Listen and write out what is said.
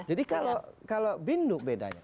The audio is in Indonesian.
jadi kalau binduk bedanya